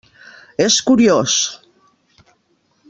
És curiós!